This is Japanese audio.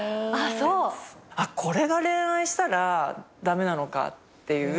これが恋愛したら駄目なのかっていう。